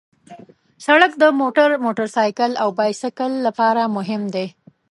سړک د موټر، موټرسایکل او بایسکل لپاره مهم دی.